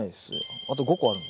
あと５個あるのに。